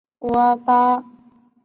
史灌河